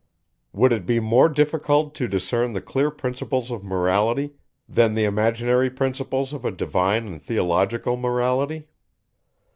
Would it be more difficult to discern the clear principles of Morality, than the imaginary principles of a divine and theological Morality?